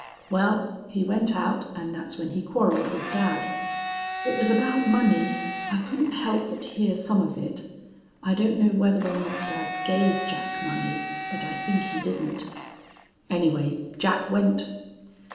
Well, he went out, and that's when he quarreled with dad. It was about money. I couldn't help but hear some of it. I don't know whether or not dad gave Jack money, but I think he didn't. Anyway, Jack went.